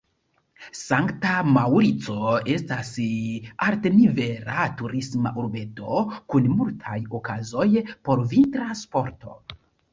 Sankta Maŭrico estas altnivela turisma urbeto kun multaj okazoj por vintra sporto.